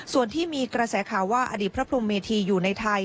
ส่วนที่มีกระแสข่าวว่าอดีตพระพรมเมธีอยู่ในไทย